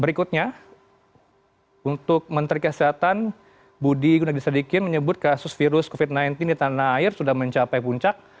berikutnya untuk menteri kesehatan budi gunadisadikin menyebut kasus virus covid sembilan belas di tanah air sudah mencapai puncak